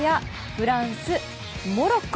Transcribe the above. フランス、モロッコ。